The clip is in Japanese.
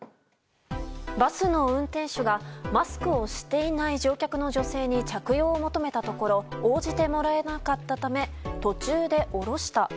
バスの運転手がマスクをしていない乗客の女性に着用を求めたところ応じてもらえなかったため途中で降ろした。